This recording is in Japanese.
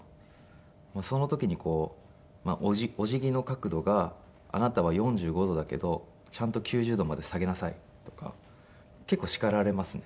その時にこう「お辞儀の角度があなたは４５度だけどちゃんと９０度まで下げなさい」とか結構叱られますね。